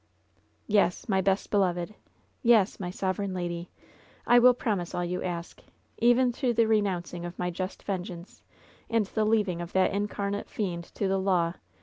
"Yes, my best beloved I Yes, my sovereign lady ! I will promise all you ask — even to the renouncing of my just vengeance and the leaving of that incarnate fiend to the law.